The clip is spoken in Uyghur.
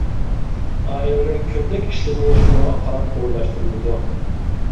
ئائىلىنىڭ كۈندىلىك ئىشلىرىنى شۇنىڭغا قاراپ ئورۇنلاشتۇرىدۇ.